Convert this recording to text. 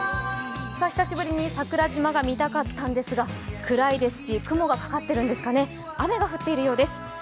久しぶりに桜島が見たかったんですが暗いですし、雲がかかっているんですかね、雨が降っているようです。